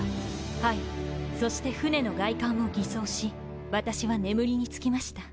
はいそして船の外観を偽装し私は眠りにつきました。